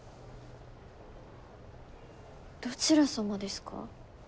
どちら様ですか？